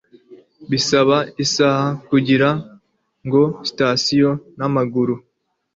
bisaba isaha kugira ngo sitasiyo n'amaguru